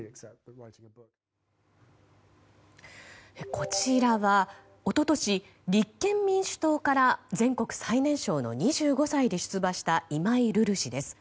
こちらは一昨年立憲民主党から全国最年少の２５歳で出馬した今井瑠々氏です。